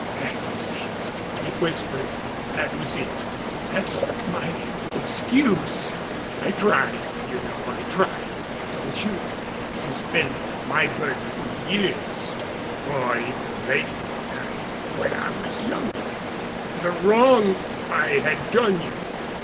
"That was it," he whispered, "that was it. That's my excuse—I tried, you know I tried, don't you? It has been my burden for years—more even lately—than when I was younger—the wrong I had done you.